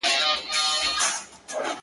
له نظمونو یم بېزاره له دېوانه یمه ستړی!